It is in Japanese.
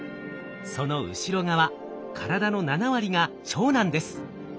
その後ろ側体の７割が腸なんです。